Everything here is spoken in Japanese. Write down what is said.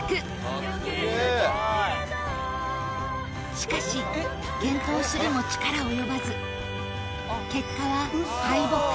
しかし健闘するも力及ばず結果は敗北